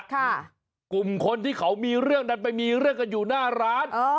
กลุ่มคนที่เขามีเรื่องดันไปมีเรื่องกันอยู่หน้าร้านอ๋อ